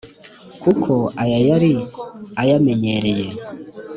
kuko aya yari ayamenyereye